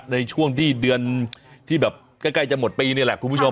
ในช่วงที่เดือนที่แบบใกล้จะหมดปีนี่แหละคุณผู้ชม